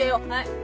はい。